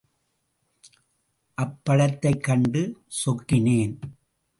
அப்படத்தைக் கண்டு சொக்கினேன்.